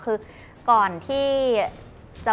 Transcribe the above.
สุดท้าย